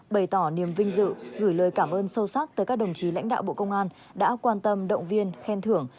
bày tỏ niềm vinh dự gửi lời cảm ơn sâu sắc tới các đồng chí lãnh đạo bộ công an đã quan tâm động viên khen thưởng